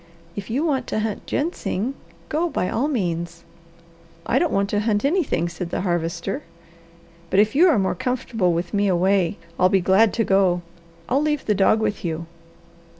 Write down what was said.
"If you want to hunt ginseng go by all means." "I don't want to hunt anything," said the Harvester. "But if you are more comfortable with me away, I'll be glad to go. I'll leave the dog with you."